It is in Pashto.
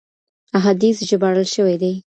احاديث ژباړل شوي دي.